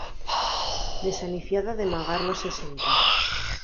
Desaniciada de magar los sesenta.